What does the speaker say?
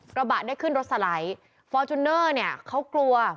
กระบะได้ขึ้นรถสไลด์ฟอร์จูเนอร์เนี่ยเขากลัว